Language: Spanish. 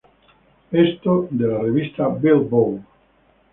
Esto de la Revista Billboard.